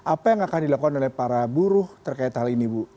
apa yang akan dilakukan oleh para buruh terkait hal ini bu